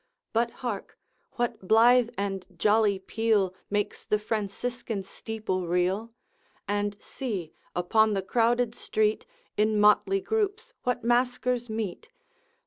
But hark! what blithe and jolly peal Makes the Franciscan steeple reel? And see! upon the crowded street, In motley groups what masquers meet!